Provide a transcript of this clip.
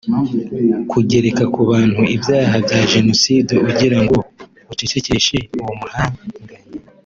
Kugereka k’ubantu ibyaha bya jenoside ugira ngo ucecekeshe uwo muhanganye